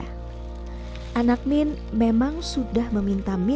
saya tepi dengan dia suaminya dengan senang hati